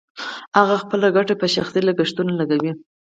هغه خپله ګټه په شخصي لګښتونو لګوي